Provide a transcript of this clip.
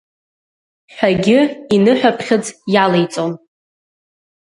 Ҳәагьы иныҳәаԥхьыӡ иалеиҵон.